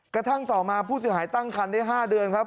กระทั่งต่อมาผู้เสียหายตั้งคันได้๕เดือนครับ